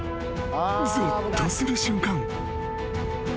［ぞっとする瞬間］